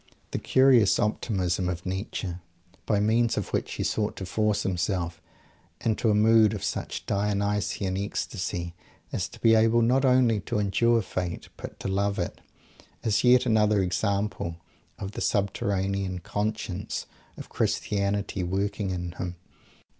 The curious "optimism" of Nietzsche, by means of which he sought to force himself into a mood of such Dionysian ecstasy as to be able not only to endure Fate, but to "love" it, is yet another example of the subterranean "conscience" of Christianity working in him.